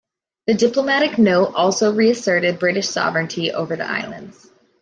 The diplomatic note also re-asserted British sovereignty over the islands.